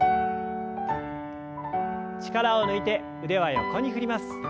力を抜いて腕は横に振ります。